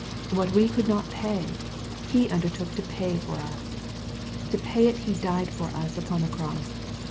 What we could not pay. Ho undertook to pay for us. To pay it He died for us upon the cross.